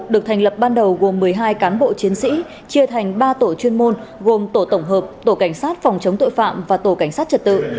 được thành lập ban đầu gồm một mươi hai cán bộ chiến sĩ chia thành ba tổ chuyên môn gồm tổ tổng hợp tổ cảnh sát phòng chống tội phạm và tổ cảnh sát trật tự